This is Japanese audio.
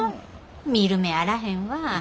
見る目あらへんわあ。